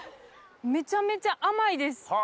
めちゃめちゃ甘いです。